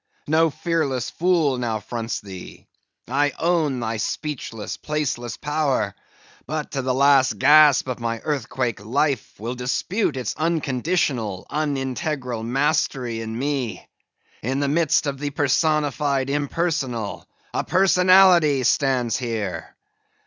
No fearless fool now fronts thee. I own thy speechless, placeless power; but to the last gasp of my earthquake life will dispute its unconditional, unintegral mastery in me. In the midst of the personified impersonal, a personality stands here.